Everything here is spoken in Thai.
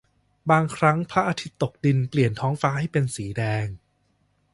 บางครั้งพระอาทิตย์ตกดินเปลี่ยนท้องฟ้าให้เป็นสีแดง